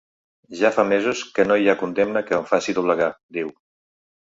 Ja fa mesos que no hi ha condemna que em faci doblegar, diu.